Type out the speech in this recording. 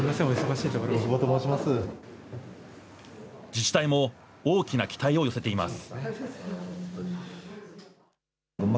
自治体も大きな期待を寄せています。